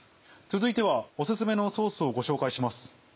続いてはお薦めのソースをご紹介します。